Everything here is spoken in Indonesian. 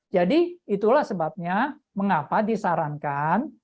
jadi itulah sebabnya mengapa disarankan